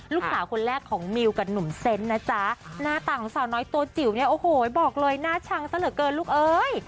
ลูกสาวคนแรกของมิวกับหนุ่มเซนต์นะจ๊ะหน้าตาของสาวน้อยตัวจิ๋วเนี่ยโอ้โหบอกเลยน่าชังซะเหลือเกินลูกเอ้ย